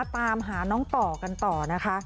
ตามหาน้องต่อกันต่อนะคะ